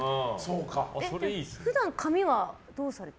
普段、髪はどうされて？